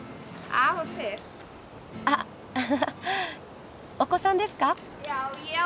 あっアハハッお子さんですか？